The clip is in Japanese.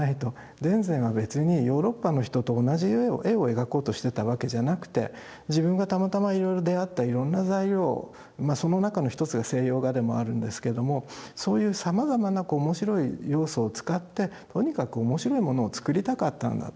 田善は別にヨーロッパの人と同じ絵を描こうとしてたわけじゃなくて自分がたまたまいろいろ出会ったいろんな材料をまあその中の一つが西洋画でもあるんですけどもそういうさまざまな面白い要素を使ってとにかく面白いものを作りたかったんだと。